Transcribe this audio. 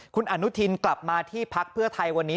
คุณอนุทินกลับมาที่พักเพื่อไทยวันนี้